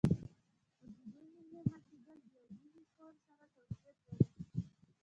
خو د دې ښيښې ماتېدل د عادي ښيښو سره توپير لري.